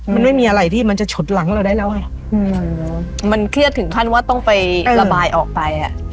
มันไม่มีอะไรที่มันจะฉุดหลังเราได้แล้วไงมันเครียดถึงขั้นว่าต้องไประบายออกไปอ่ะ